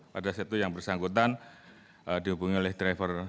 pada saat itu yang bersangkutan dihubungi oleh driver